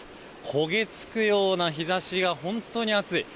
焦げ付くような日差しが本当に暑い。